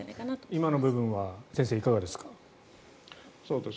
今の部分は先生、いかがですか？